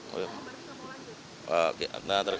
kalau pak bumega mau lanjut